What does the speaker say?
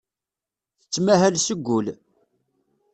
Tettmahal seg wul.